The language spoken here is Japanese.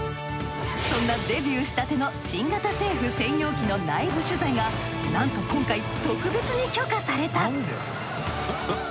そんなデビューしたての新型政府専用機の内部取材がなんと今回特別に許可された。